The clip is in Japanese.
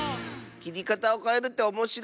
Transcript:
きりかたをかえるっておもしろい！